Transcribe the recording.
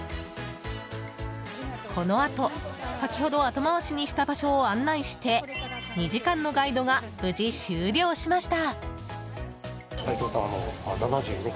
このあと、先ほど後回しにした場所を案内して２時間のガイドが無事終了しました。